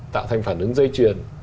tạo thành phản ứng dây chuyền